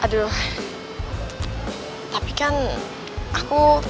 aduh tapi kan aku